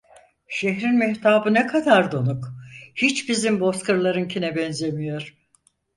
Şehrin mehtabı ne kadar donuk; hiç bizim bozkırlarınkine benzemiyor!